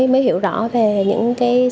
mới hiểu rõ về những cái